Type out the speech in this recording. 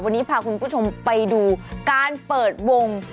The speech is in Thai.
วันนี้พาคุณผู้ชมไปดูการเปิดวง